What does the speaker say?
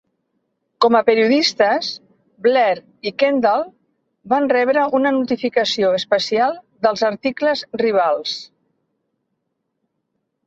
Com a periodistes, Blair i Kendall van rebre una notificació especial dels articles rivals.